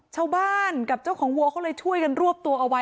ชาวบ้านกับเจ้าของวัวเขาเลยช่วยกันรวบตัวเอาไว้